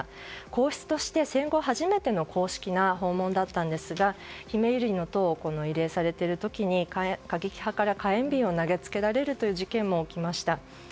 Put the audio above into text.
皇室として戦後初めての公式な訪問だったんですがひめゆりの塔を慰霊されている時に過激派から火炎瓶を投げつけられるという事件も起きました。